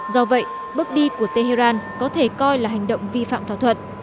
do vậy bước đi của tehran có thể coi là hành động vi phạm thỏa thuận